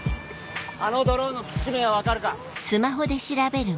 あのドローンの機種名は分かるか？